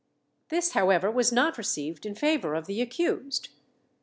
This, however, was not received in favour of the accused.